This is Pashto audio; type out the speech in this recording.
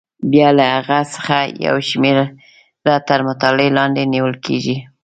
بیا له هغو څخه یوه شمېره تر مطالعې لاندې نیول کېږي.